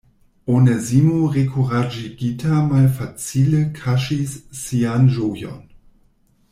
Onezimo rekuraĝigita malfacile kaŝis sian ĝojon.